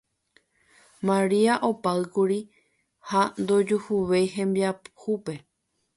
Maria opáykuri ha ndojuhuvéi hembiayhúpe